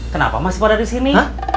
kenapa masih pada disini